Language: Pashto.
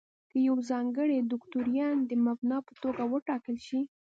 که یو ځانګړی دوکتورین د مبنا په توګه وټاکل شي.